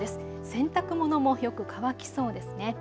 洗濯物もよく乾きそうですね。